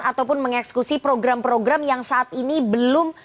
ataupun mengeksekusi program program yang saat ini belum